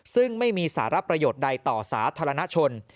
ซึ่งไม่มีสารประโยชน์ใดต่อสาธารณชน